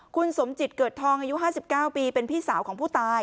คุณสมจิตเกิดทองอายุ๕๙ปีเป็นพี่สาวของผู้ตาย